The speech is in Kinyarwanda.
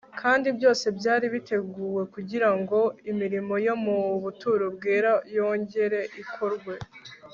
kandi byose byari biteguwe kugira ngo imirimo yo mu buturo bwera yongere ikorwe